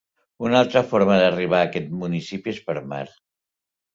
Una altra forma d'arribar a aquest municipi és per mar.